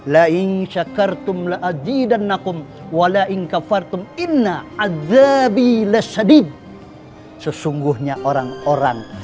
laing syakartum laadzidanakum walainkafartum inna azabi lasadid sesungguhnya orang orang